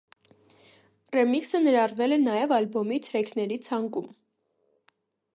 Ռեմիքսը ներառվել է նաև ալբոմի թրեքների ցանկում։